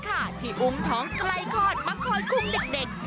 ที่อุ้มท้องใกล้คลอดมาคอยคุ้มเด็ก